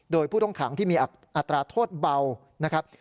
โดยผู้ต้องขังที่มีอัตราโทษเบานะครับ